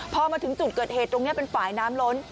พอมาถึงจุดเกิดเหตุตรงนี้เป็นฝ่ายน้ำล้น